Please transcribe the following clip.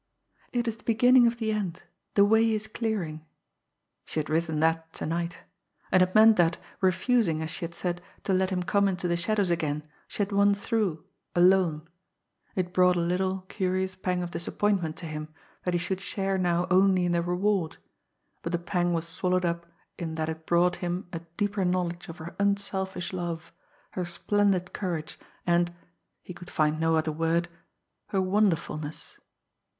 "It is the beginning of the end ... the way is clearing" she had written that tonight. And it meant that, refusing, as she had said, to let him come into the shadows again, she had won through alone. It brought a little, curious pang of disappointment to him that he should share now only in the reward; but the pang was swallowed up in that it brought him a deeper knowledge of her unselfish love, her splendid courage, and he could find no other word her wonderfulness.